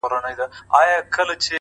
• یا به مري یا به یې بل څوک وي وژلی,